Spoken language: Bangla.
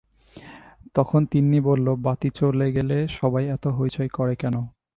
তখন তিন্নি বলল, বাতি চলে গেলে সবাই এত হৈচৈ করে কেন?